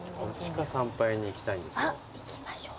あっ行きましょう。